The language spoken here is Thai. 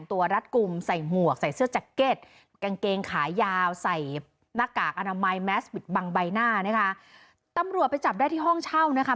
อันโนมัยแมสบิดบังใบหน้านะคะตำรัวไปจับได้ที่ห้องเช่านะคะ